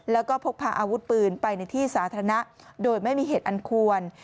แล้วก็พกพาอาวุธปืนไปในที่สาธารณะโดยไม่มีเหตุอันควร